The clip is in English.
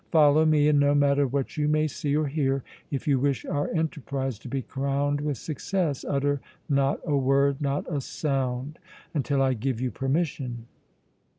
Follow me, and no matter what you may see or hear, if you wish our enterprise to be crowned with success utter not a word, not a sound, until I give you permission!"